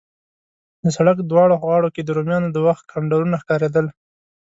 د سړک دواړو غاړو کې د رومیانو د وخت کنډرونه ښکارېدل.